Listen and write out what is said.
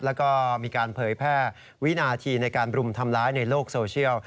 แล้วก็มีการเผยแพร่วินาทีในการบรุมทำร้ายในโลกโซเชียล